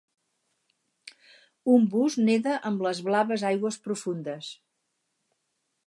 Un bus neda en les blaves aigües profundes.